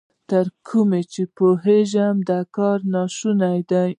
تر کومه چې پوهېږم، دا کار نا شونی دی.